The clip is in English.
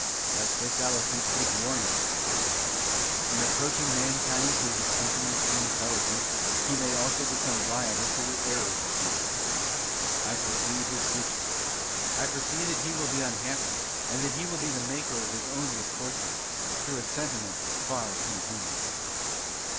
"Let this Elephant take warning," said he: "in approaching mankind through his sentiments and intelligence, he may also become liable to the errors of mankind. I foresee his future. I foresee that he will be unhappy, and that he will be the maker of his own misfortunes, through a sentiment far too human!"...